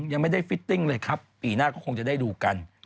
ยังไม่ได้ฟิตติ้งเลยครับปีหน้าก็คงจะได้ดูกัน